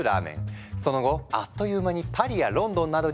その後あっという間にパリやロンドンなどにも広がっていった。